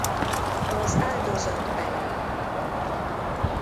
Az áldozat belehal.